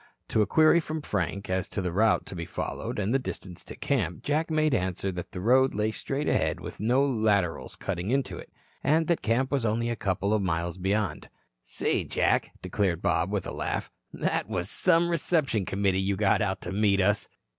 To a query from Frank as to the route to be followed and the distance to camp, Jack made answer that the road lay straight ahead with no laterals cutting into it, and that camp was only a couple of miles beyond. "Say, Jack," declared Bob with a laugh, "that was some reception committee you got out to meet us."